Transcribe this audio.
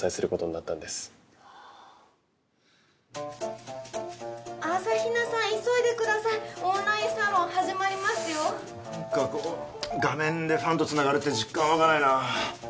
なんかこう画面でファンとつながるって実感湧かないなぁ。